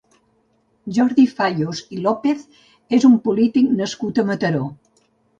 Jordi Fayos i López és un polític nascut a Mataró.